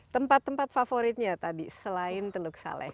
tempat tempat favoritnya tadi selain teluk saleh